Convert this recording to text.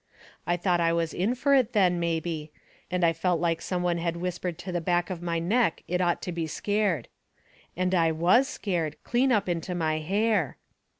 I thought I was in fur it then, mebby, and I felt like some one had whispered to the back of my neck it ought to be scared. And I WAS scared clean up into my hair.